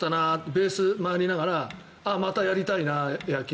ベースを回りながらああ、またやりたいな、野球